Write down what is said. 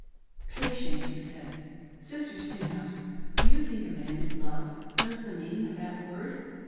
" Patience !" he said ;" Sister Stenhouse, do you think a man in love knows the meaning of that word?